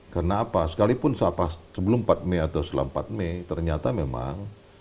karena apa sekalipun sebelum empat mei atau selama empat mei ternyata memang